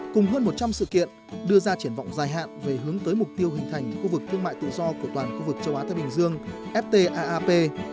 cùng hơn một trăm linh sự kiện đưa ra triển vọng dài hạn về hướng tới mục tiêu hình thành khu vực thương mại tự do của toàn khu vực châu á thái bình dương ftap